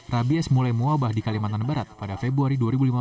rabies mulai mewabah di kalimantan barat pada februari dua ribu lima belas